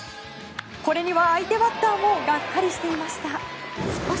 これには相手バッターもがっかりしていました。